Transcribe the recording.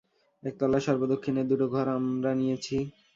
একতলার সর্বদক্ষিণের দুটো ঘর আমরা নিয়েছি।